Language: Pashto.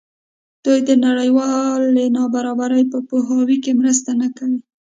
دوی د نړیوالې نابرابرۍ په پوهاوي کې مرسته نه کوي.